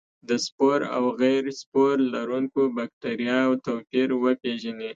د سپور او غیر سپور لرونکو بکټریا توپیر وپیژني.